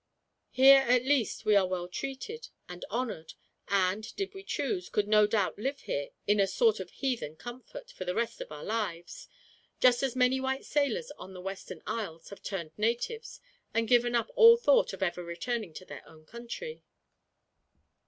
Here at least we are well treated and honored and, did we choose, could no doubt live here in a sort of heathen comfort, for the rest of our lives; just as many white sailors on the western isles have turned natives, and given up all thought of ever returning to their own country.